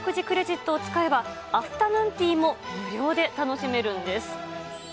クレジットを使えば、アフタヌーンティーも無料で楽しめるんです。